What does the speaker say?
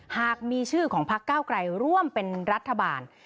หากมีชื่อของพักเก้าไกลร่วมเป็นรัฐบาล